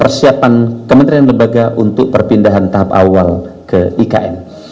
persiapan kementerian lembaga untuk perpindahan tahap awal ke ikn